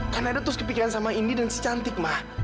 karena edo terus kepikiran sama indi dan si cantik ma